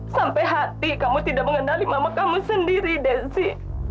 sampai hati kamu tidak mengenali mama kamu sendiri desi